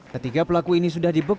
ketiga pelaku ini sudah dibekuk